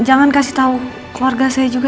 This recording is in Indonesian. jangan kasih tahu keluarga saya juga